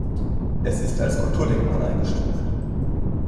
Es ist als Kulturdenkmal eingestuft.